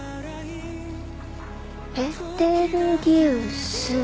ペテルギウス。